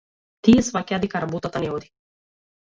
Тие сфаќаат дека работата не оди.